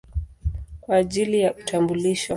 kwa ajili ya utambulisho.